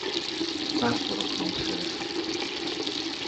Pásztorok hangszere.